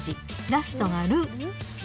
ラストがル。